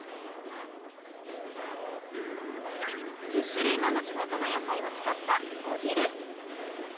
１０種類もの地元の野菜を使った呉汁。